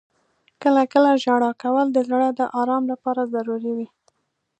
• کله کله ژړا کول د زړه د آرام لپاره ضروري وي.